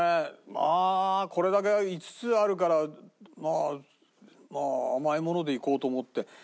まあこれだけ５つあるからまあ甘いものでいこうと思って。